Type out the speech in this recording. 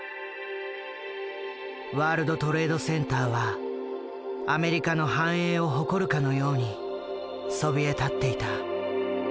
ワールドトレードセンターはアメリカの繁栄を誇るかのようにそびえ立っていた。